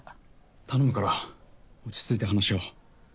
頼むから落ち着いて話し合おう。